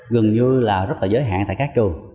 gần như là rất là giới hạn tại các trường